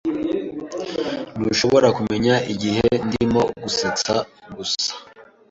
Ntushobora kumenya igihe ndimo gusetsa gusa?